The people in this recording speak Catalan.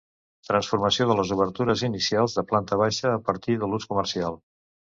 Transformació de les obertures inicials de planta baixa a partir de l'ús comercial.